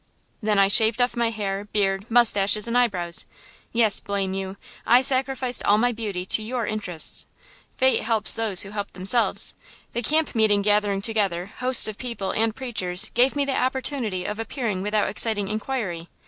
Then I shaved off my hair, beard, mustaches and eyebrows! Yes, blame you, I sacrificed all my beauty to your interests! Fate helps those who help themselves! The camp meeting gathering together hosts of people and preachers gave me the opportunity of appearing without exciting inquiry.